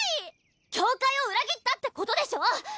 教会を裏切ったってことでしょ！